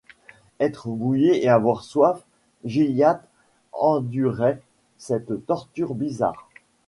Être mouillé et avoir soif ; Gilliatt endurait cette torture bizarre.